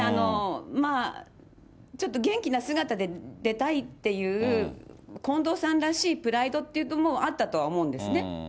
まあ、ちょっと元気な姿で出たいっていう、近藤さんらしいプライドというのもあったとは思うんですね。